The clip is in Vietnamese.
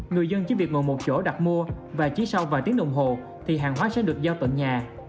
người dân chỉ việc ngồi một chỗ đặt mua và chỉ sau vài tiếng đồng hồ thì hàng hóa sẽ được giao tận nhà